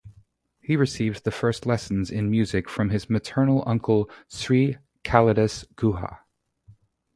He received the first lessons in music from his maternal uncle Sri Kalidas Guha.